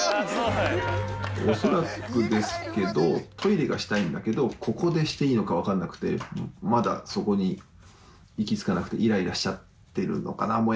恐らくですけどトイレがしたいんだけどここでしていいのか分かんなくてまだそこに行き着かなくてイライラしちゃってるのかな。